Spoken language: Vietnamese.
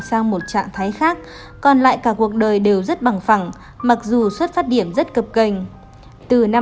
sang một trạng thái khác còn lại cả cuộc đời đều rất bằng phẳng mặc dù xuất phát điểm rất cập kênh từ